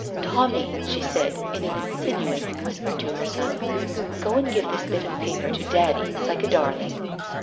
" Tommy," she said, in an insinuating whisper to her son, "go and give this bit of paper to Daddy, like a darling."